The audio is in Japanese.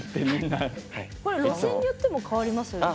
路線によっても変わりますよね。